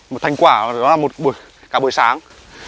một thành quả đó là cả buổi sáng